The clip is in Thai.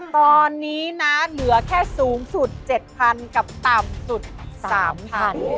ตอนนี้น้านเหลือแค่สูงชุด๗๐๐๐บาทกับต่ำชุด๓๐๐๐บาท